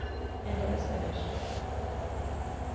"And it was finished."